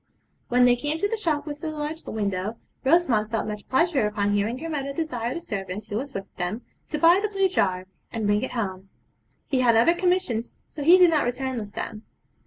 When they came to the shop with the large window Rosamond felt much pleasure upon hearing her mother desire the servant who was with them to buy the blue jar, and bring it home. He had other commissions, so he did not return with them.